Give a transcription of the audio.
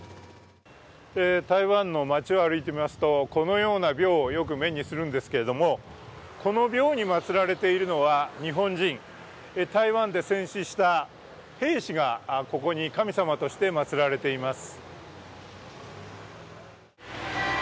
台湾の街を歩いていますとこのような廟をよく目にするんですけれどもこの廟にまつられているのは日本人、台湾で戦死した兵士が、ここに神様として祭られています。